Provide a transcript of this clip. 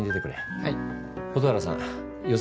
はい。